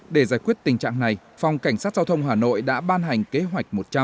để giải quyết tình trạng này phòng cảnh sát giao thông hà nội đã ban hành kế hoạch một trăm linh